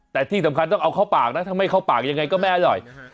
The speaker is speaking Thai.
แต่ที่สำคัญต้องเอาเข้าปากนะถ้าไม่เข้าปากยังไงก็ไม่อร่อย